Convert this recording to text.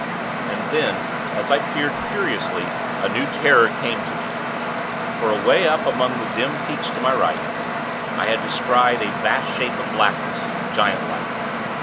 And then, as I peered, curiously, a new terror came to me; for away up among the dim peaks to my right, I had descried a vast shape of blackness, giantlike.